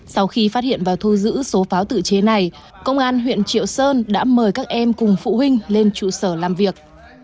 sau khi phát hiện và thu giữ số pháo tự chế này công an huyện triệu sơn đã mời các em cùng phụ huynh lên trụ sở làm việc